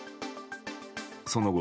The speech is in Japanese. その後